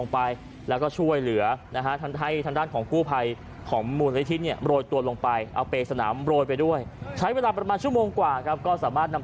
พอขึ้นมานะฮะ